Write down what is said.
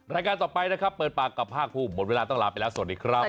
รายการต่อไปนะครับเปิดปากกับภาคภูมิหมดเวลาต้องลาไปแล้วสวัสดีครับ